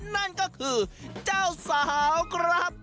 นั่นก็คือเจ้าสาวครับ